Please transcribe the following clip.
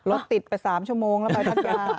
รถติดไป๓ชั่วโมงแล้วไปภาษาศาสตร์